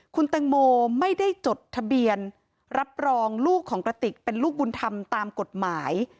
คุณแตงโมไม่ได้จดทะเบียนรับรองลูกของกระติกเป็นลูกบุญธรรมตามกฎหมาย